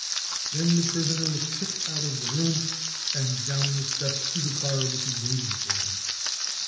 Then the prisoner is kicked out of the room and down the steps to the car which is waiting for him.